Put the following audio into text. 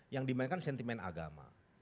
yang dimainkan sentimen agama